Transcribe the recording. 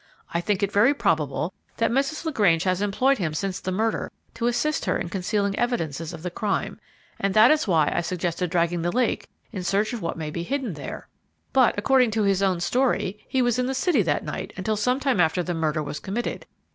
I think it very probable that Mrs. LaGrange has employed him since the murder to assist her in concealing evidences of the crime, and that is why I suggested dragging the lake in search of what may be hidden there; but, according to his own story, he was in the city that night until some time after the murder was committed."